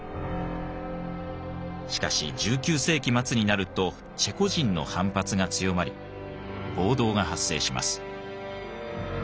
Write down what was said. しかし１９世紀末になるとチェコ人の反発が強まり暴動が発生します。